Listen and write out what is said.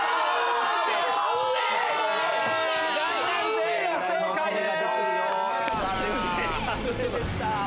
全員不正解です。